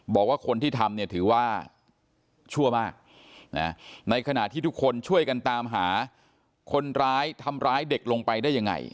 บอกว่าคนที่ทำเนี่ยถือว่าชั่วมากในขณะที่ทุกคนช่วยกันตามหาคนร้ายทำร้ายเด็กลงไปได้ยังไง